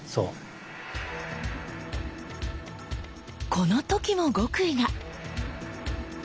この時も極意が！